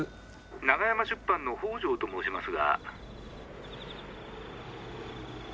☎長山出版の北條と申しますが。